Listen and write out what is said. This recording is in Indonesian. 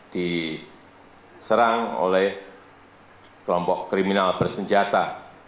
diserang oleh kelompok kriminal bersenjata